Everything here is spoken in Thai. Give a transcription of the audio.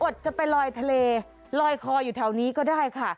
จะไปลอยทะเลลอยคออยู่แถวนี้ก็ได้ค่ะ